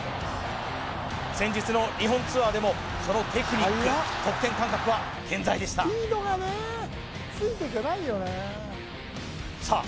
先日の日本ツアーでもそのテクニック得点感覚は健在でしたさあ